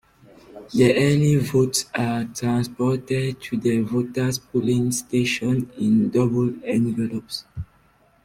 The early votes are transported to the voter's polling station in double envelopes.